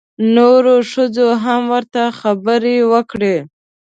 نورو ښځو هم ورته خبرې وکړې.